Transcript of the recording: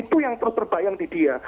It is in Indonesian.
itu yang terperbayang di dia